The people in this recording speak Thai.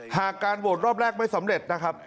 หากการโหวตรอบแรกไม่สำเร็จนะครับ